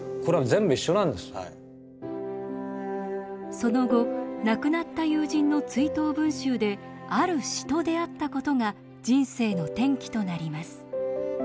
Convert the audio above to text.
その後亡くなった友人の追悼文集である詩と出会ったことが人生の転機となります。